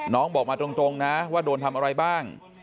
บอกมาตรงนะว่าโดนทำอะไรบ้าง